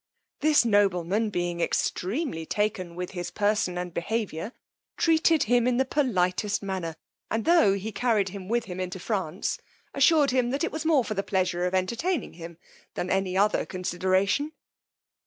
This nobleman being extremely taken with his person and behaviour, treated him in the politest manner; and tho' he carried him with him into France, assured him, that it was more for the pleasure of entertaining him there than any other consideration.